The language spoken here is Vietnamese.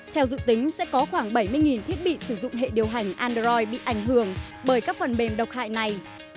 theo dự tính sẽ có khoảng bảy mươi thiết bị sử dụng hệ điều hành android bị ảnh hưởng bởi các phần mềm độc hại này